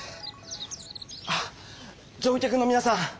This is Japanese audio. あっ乗客のみなさん！